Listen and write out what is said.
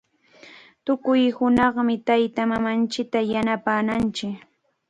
Tukuy hunaqmi taytamamanchikta yanapananchik.